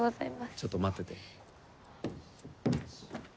ちょっと待ってて。